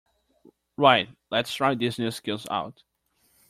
Right, lets try these new skills out!